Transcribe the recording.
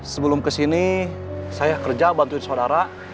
sebelum ke sini saya kerja bantuin saudara